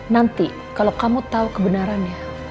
nanti kalau kamu tau ke benarannya